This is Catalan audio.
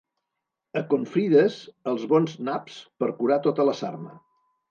A Confrides, els bons naps, per curar tota la sarna.